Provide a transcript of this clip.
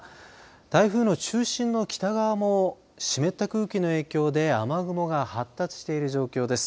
台風の中心の北側も湿った空気の影響で雨雲が発達している状況です。